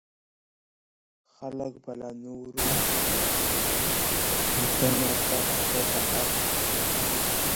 خلګ به له نويو اسانتياوو څخه ګټه اخلي.